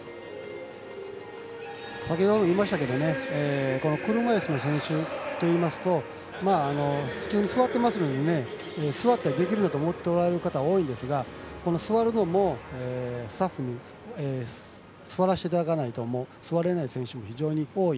先ほども言いましたけど車いすの選手といいますと普通に座ってますので座ったりできるんだと思っておられる方多いと思うんですが座るのもスタッフに座らせていただかないと座れない選手も非常に多い。